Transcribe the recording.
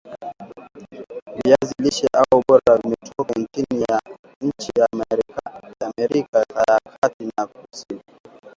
viazi lishe au bora vimetoka nchi ya Amerika ya Kati na ya Kusini